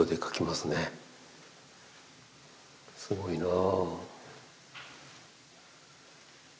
すごいなぁ。